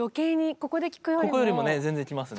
ここよりも全然きますね。